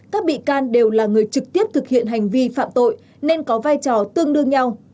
các bị can đều là người trực tiếp thực hiện hành vi phạm tội nên có vai trò tương đương nhau